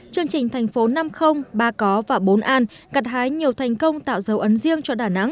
chương trình thành phố năm ba có và bốn an cặt hái nhiều thành công tạo dấu ấn riêng cho đà nẵng